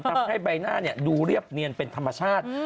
ทำให้ใบหน้าดูเรียบเนียนเป็นธรรมชาติ